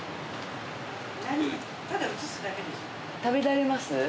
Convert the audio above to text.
食べられます？